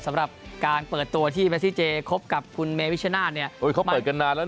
สำหรับการเปิดตัวที่เมซิ่เจคบกับคุณเมวิชชะนาดเนี่ย